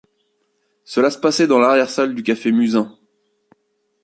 Cela se passait dans l’arrière-salle du café Musain.